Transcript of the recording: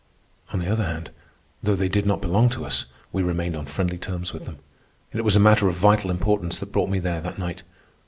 On the other hand, though they did not belong to us, we remained on friendly terms with them. It was a matter of vital importance that brought me there that night.